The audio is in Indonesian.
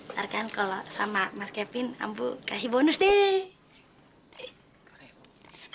ntar kan kalau sama mas kevin ampu kasih bonus deh